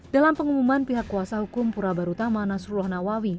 dalam pengumuman pihak kuasa hukum pura barutama nasrullah nawawi